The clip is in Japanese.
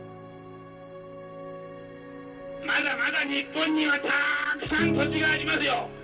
まだまだ日本にはたくさん土地がありますよ。